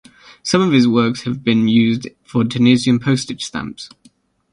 Some of his works have been used for Tunisian postage stamps.